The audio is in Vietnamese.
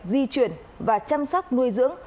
di chuyển và chăm sóc nuôi dưỡng